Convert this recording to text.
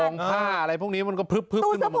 โปรงผ้าอะไรพวกนี้มันก็พลึกขึ้นมา